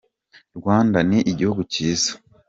Rwanda ni igihugu cyiza.